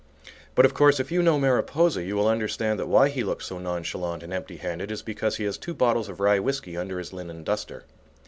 But of course if you know Mariposa you will understand that why he looks so nonchalant and empty handed is because he has two bottles of rye whiskey under his linen duster.